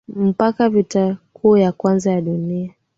mpaka Vita Kuu ya kwanza ya dunia